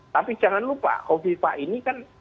tapi jangan lupa kofifah ini kan